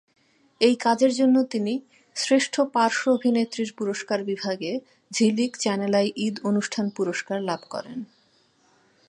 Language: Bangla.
এই কাজের জন্য তিনি শ্রেষ্ঠ পার্শ্ব অভিনেত্রীর পুরস্কার বিভাগে ঝিলিক-চ্যানেল আই ঈদ অনুষ্ঠান পুরস্কার লাভ করেন।